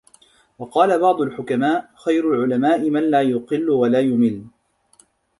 وَقَالَ بَعْضُ الْحُكَمَاءِ خَيْرُ الْعُلَمَاءِ مَنْ لَا يُقِلُّ وَلَا يُمِلُّ